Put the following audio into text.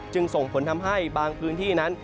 จึงส่งผลทำให้บางพื้นที่นั้น